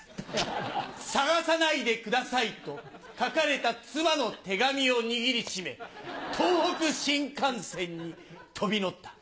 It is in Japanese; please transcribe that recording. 「捜さないでください」と書かれた妻の手紙を握り締め東北新幹線に飛び乗った。